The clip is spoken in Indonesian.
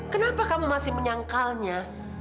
kenapa kamu masih menyangkalnya